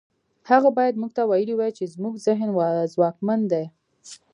هغه بايد موږ ته ويلي وای چې زموږ ذهن ځواکمن دی.